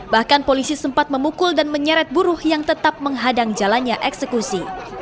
bahkan polisi sempat memukul dan menyeret buruh yang tetap menghadang jalannya eksekusi